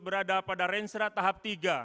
berada pada rensra tahap tiga